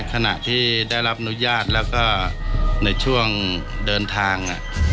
ขณะที่ได้รับอนุญาตแล้วก็ในช่วงเดินทาง